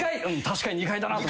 確かに２階だな。